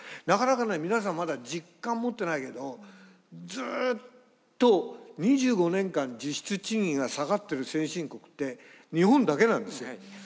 なかなかね皆さんまだ実感持ってないけどずっと２５年間実質賃金が下がってる先進国って日本だけなんですね。